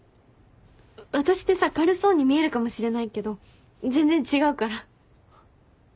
私ってさ軽そうに見えるかもしれないけど全然違うから。